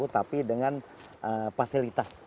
seratus tapi dengan fasilitas